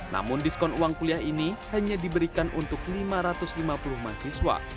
namun diskon uang kuliah ini hanya diberikan untuk lima ratus lima puluh mahasiswa